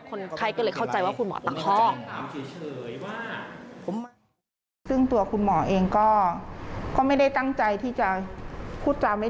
คนไข้ก็เลยเข้าใจว่าคุณหมอตะคอก